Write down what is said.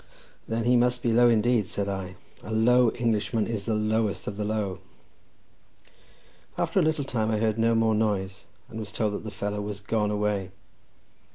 "Then he must be low indeed," said I. "A low Englishman is the lowest of the low." After a little time I heard no more noise, and was told that the fellow was gone away.